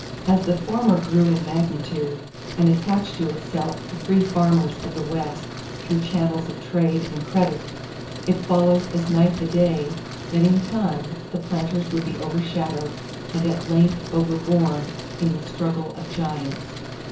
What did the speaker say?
As the former grew in magnitude and attached to itself the free farmers of the West through channels of trade and credit, it followed as night the day that in time the planters would be overshadowed and at length overborne in the struggle of giants.